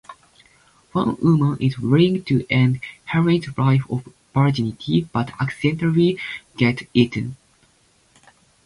One woman is willing to end Henry's life of virginity but accidentally gets eaten.